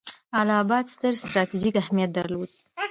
اله اباد ستر ستراتیژیک اهمیت درلود.